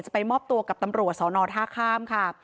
ไปมอบตัวกับตำรวจสอนอท่าข้ามค่ะ